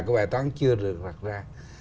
cái bài toán chưa được đặt ra